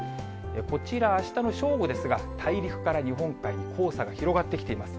こちら、あしたの正午ですが、大陸から日本海に黄砂が広がってきています。